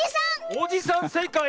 おじさんせいかい！